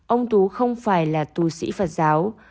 ông tú không phải là tù sĩ phật giáo